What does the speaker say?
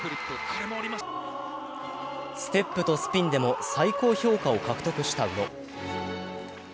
ステップとスピンでも最高評価を獲得した宇野。